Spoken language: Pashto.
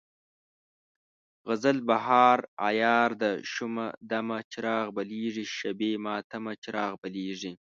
غزل: بهار عیار ده شومه دمه، چراغ بلیږي شبِ ماتمه، چراغ بلیږي